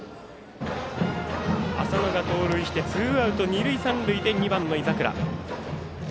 浅野が盗塁してツーアウト二塁三塁で２番の井櫻。